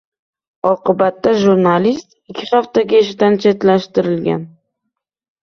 Oqibatda jurnalist ikki haftaga ishdan chetlashtirilgan